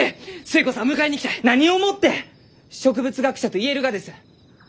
何をもって植物学者と言えるがです？